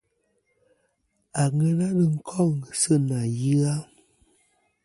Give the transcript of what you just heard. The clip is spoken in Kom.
Àŋena nɨn kôŋ sɨ nà yɨ-a.